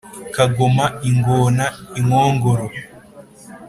kagoma, ingona, inkongoro